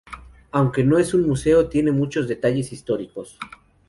Aunque no es un museo, tiene muchos detalles históricos.